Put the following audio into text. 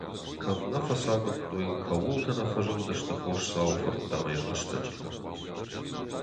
Кӕм нӕ фӕцагуырдтой, кӕуылты нӕ фӕзылдысты Хосдзауы фырттӕ ӕмӕ йӕ хӕстӕджытӕ!